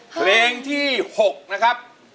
เพลงที่๖นะครับ